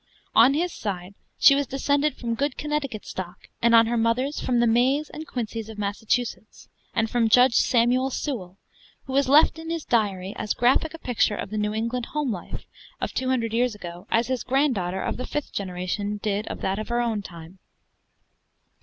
On his side, she was descended from good Connecticut stock; and on her mother's, from the Mays and Quincys of Massachusetts, and from Judge Samuel Sewall, who has left in his diary as graphic a picture of the New England home life of two hundred years ago, as his granddaughter of the fifth generation did of that of her own time.